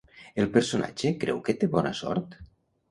El personatge creu que té bona sort?